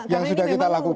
yang sudah dilakukan